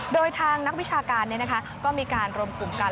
โดยทางนักวิชาการก็มีการรวมกลุ่มกัน